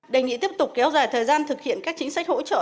đề nghị tiếp tục kéo dài thời gian thực hiện các chính sách hỗ trợ